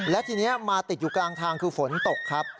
และทีนี้มาติดอยู่กลางทางคือฝนตกครับ